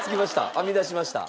編み出しました。